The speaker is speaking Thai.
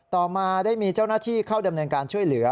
ต่อมาได้มีเจ้าหน้าที่เข้าดำเนินการช่วยเหลือ